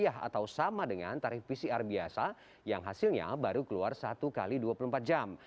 atau sama dengan tarif pcr biasa yang hasilnya baru keluar satu x dua puluh empat jam